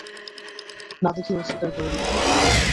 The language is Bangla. না দেখেই অস্বীকার করে দিলো।